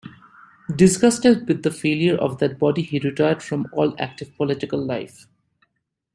Disgusted with the failure of that body, he retired from all active political life.